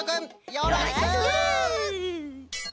よろしく！